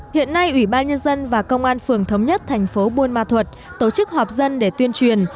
hiện nay ủy ban nhân dân và công an phường thống nhất thành phố buôn ma thuật tổ chức họp dân để tuyên truyền